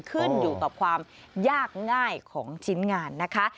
ขึ้นอยู่กับความยากง่ายของชิ้นงานนะคะ